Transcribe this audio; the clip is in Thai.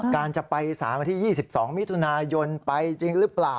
การจะไปสารวันที่๒๒มิถุนายนไปจริงหรือเปล่า